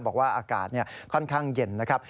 บอกว่าอากาศค่อนข้างเย็นนะครับ